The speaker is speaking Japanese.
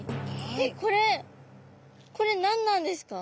えっこれこれ何なんですか？